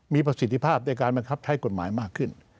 มีประสิทธิภาพในการบังคับใช้กฎหมายมากขึ้น